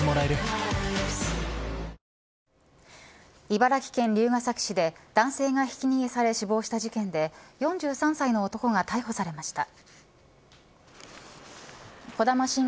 茨城県龍ケ崎市で男性が、ひき逃げされ死亡した事件で４３歳の男が逮捕されました。